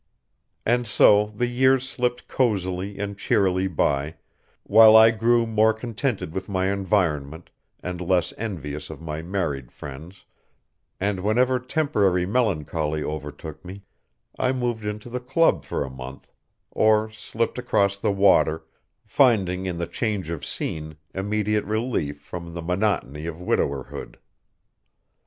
And so the years slipped cosily and cheerily by, while I grew more contented with my environment and less envious of my married friends, and whenever temporary melancholy overtook me I moved into the club for a month, or slipped across the water, finding in the change of scene immediate relief from the monotony of widowerhood.